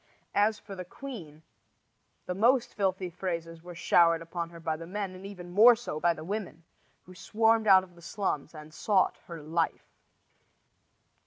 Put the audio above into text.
As for the queen, the most filthy phrases were showered upon her by the men, and even more so by the women, who swarmed out of the slums and sought her life.